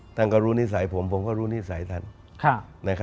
ท่านก็รู้นิสัยผมผมก็รู้นิสัยท่าน